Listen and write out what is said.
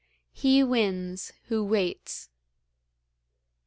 "He wins who waits."'